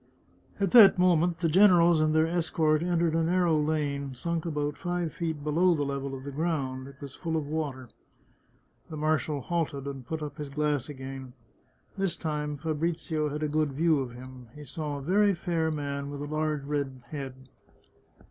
At that moment the generals and their escort entered a narrow lane, sunk about five feet below the level of the ground. It was full of water. The marshal halted, and put up his glass again. This time Fabrizio had a good view of him. He saw a very fair man with a large red head.